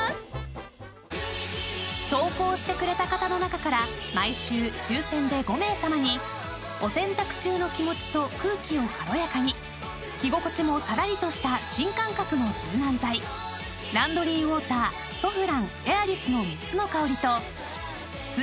［投稿してくれた方の中から毎週抽選で５名さまにお洗濯中の気持ちと空気を軽やかに着心地もさらりとした新感覚の柔軟剤ランドリーウォーターソフランＡｉｒｉｓの３つの香りとスーパーＮＡＮＯＸ